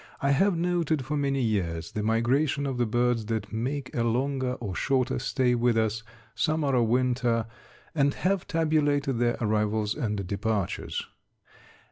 I have noted for many years the migrations of the birds that make a longer or shorter stay with us, summer or winter, and have tabulated their arrivals and departures.